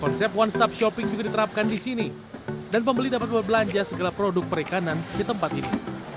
konsep one stop shopping juga diterapkan di sini dan pembeli dapat berbelanja segala produk perikanan di tempat ini